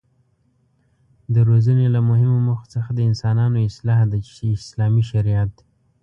د روزنې له مهمو موخو څخه د انسانانو اصلاح ده چې اسلامي شريعت